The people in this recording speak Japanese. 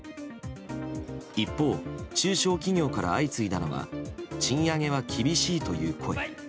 一方、中小企業から相次いだのは賃上げは厳しいという声。